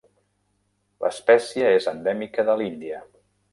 L'espècia és endèmica d l'Índia.